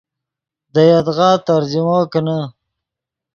دے یدغا ترجمو کینے